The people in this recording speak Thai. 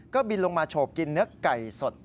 ก็บินลงมาโฉบกินเนื้อไก่สด